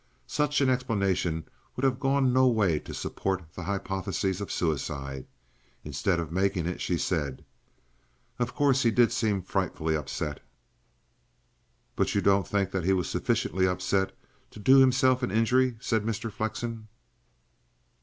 Such an explanation would have gone no way to support the hypothesis of suicide. Instead of making it she said: "Of course, he did seem frightfully upset." "But you don't think that he was sufficiently upset to do himself an injury?" said Mr. Flexen.